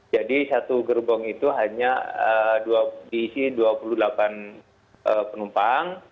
jadi satu gerbong itu hanya diisi dua puluh delapan penumpang